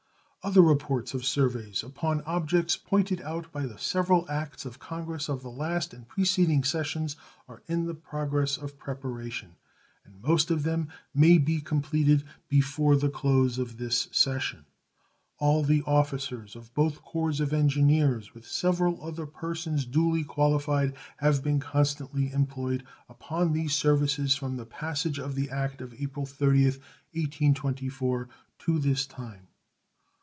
Other reports of surveys upon objects pointed out by the several acts of Congress of the last and preceding sessions are in the progress of preparation, and most of them may be completed before the close of this session. All the officers of both corps of engineers, with several other persons duly qualified, have been constantly employed upon these services from the passage of the act of April 30th, 1824, to this time.